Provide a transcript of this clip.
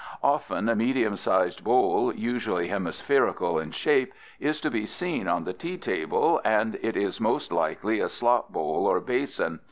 Often a medium sized bowl, usually hemispherical in shape, is to be seen on the tea table, and it is most likely a slop bowl or basin.